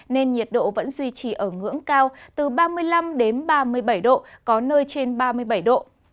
nên nhiệt độ vẫn duy trì ở ngưỡng cao từ ba mươi năm đến ba mươi bảy độ có nơi trên ba mươi bảy độ